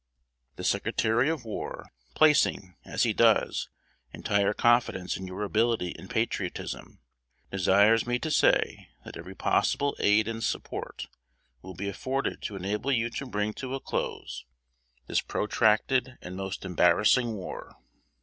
"The Secretary of War, placing, as he does, entire confidence in your ability and patriotism, desires me to say, that every possible aid and support will be afforded to enable you to bring to a close this protracted and most embarrassing war."